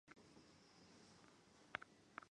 新疆紫罗兰为十字花科紫罗兰属下的一个种。